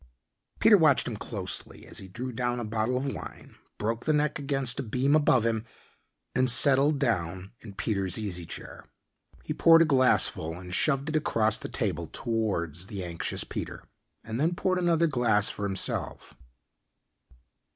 Peter watched him closely as he drew down a bottle of wine, broke the neck against a beam above him, and settled down in Peter's easy chair. He poured a glass full and shoved it across the table towards the anxious Peter, and then poured another glass for himself.